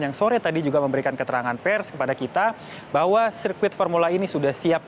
yang sore tadi juga memberikan keterangan pers kepada kita bahwa sirkuit formula ini sudah siap